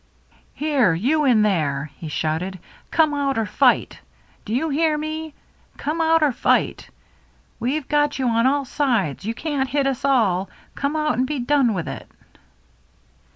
" Here you in there !" he shouted. " Come out or fight ! Do you hear me ? Come out or fight! We've got you on all sides — you can't hit us all — come out and be done with it."